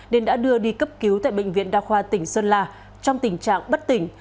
nên đã đưa đi cấp cứu tại bệnh viện đa khoa tỉnh sơn la trong tình trạng bất tỉnh